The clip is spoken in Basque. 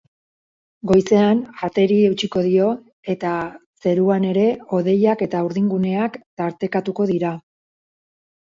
Goizean ateri eutsiko dio eta zeruan ere hodeiak eta urdinguneak tartekatuko dira.